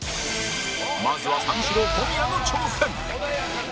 まずは三四郎小宮の挑戦